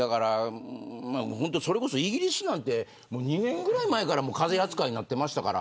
それこそイギリスなんて２年ぐらい前から風邪扱いになっていましたから。